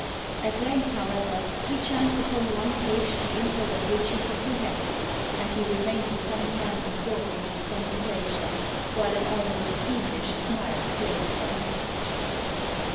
At length, however, he chanced upon one page the import of which he comprehended, and he remained for some time absorbed in its contemplation, while an almost fiendish smile played upon his features.